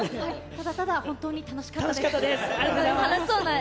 ただただ本当に楽しかったで楽しかったです。